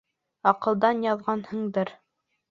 Аҡылдан яҙғанһыңдыр!